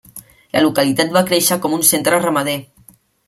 La localitat va créixer com un centre ramader.